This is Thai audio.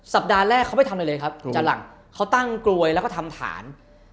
สัปดาห์แรกเขาไม่ทำอะไรเลยครับอาจารย์หลังเขาตั้งกลวยแล้วก็ทำฐาน